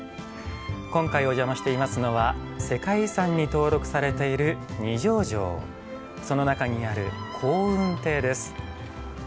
今回お邪魔していますのは世界遺産に登録されている二条城その中にある香雲亭です。